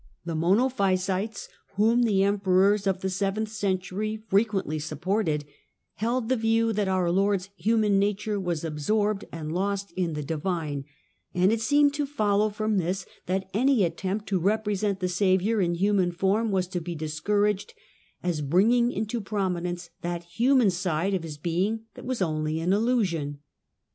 The Monophysites, whom the emperors of the seventh entury frequently supported, held the view that our jord's human nature was absorbed and lost in the ■vine, and it seemed to follow from this that any at snipt to represent the Saviour in human form was to e discouraged as bringing into prominence that human ide of His being that was only an illusion.